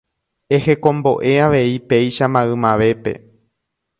Ehekombo'e avei péicha maymavépe